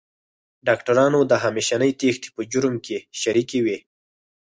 ډاکټرانو د همېشنۍ تېښتې په جرم کې شریکې وې.